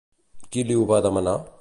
Qui li ho va demanar?